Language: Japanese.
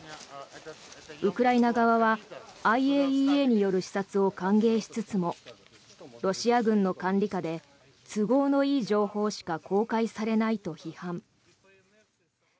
ウクライナ側はＩＡＥＡによる視察を歓迎しつつもロシア軍の管理下で都合のいい情報しか公開されないと批判。